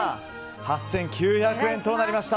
８９００円となりました。